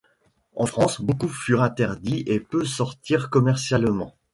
En France, beaucoup furent interdits et peu sortirent commercialement.